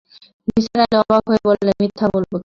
নিসার আলি অবাক হয়ে বললেন, মিথ্যা বলব কেন?